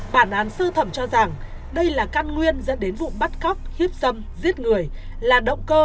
bản án sơ thẩm cho rằng đây là căn nguyên dẫn đến vụ bắt cóc hiếp dâm giết người là động cơ